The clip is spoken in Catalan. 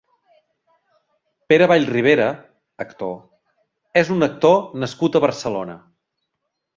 Pere Vallribera (actor) és un actor nascut a Barcelona.